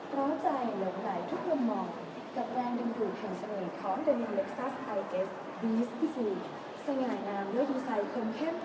ขอบคุณครับ